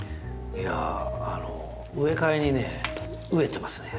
いやあの植え替えにね飢えてますね。